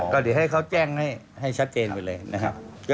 ก็เดี๋ยวให้เขาแจ้งให้ชัดเจนไปเลยนะครับ